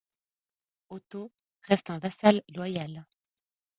Otto reste un vassal loyal.